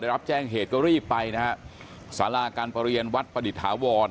รับแจ้งเหตุก็รีบไปนะฮะสาราการประเรียนวัดประดิษฐาวร